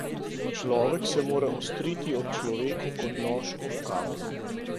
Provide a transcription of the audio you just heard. Človek se mora ostriti ob človeku kot nož ob kamnu.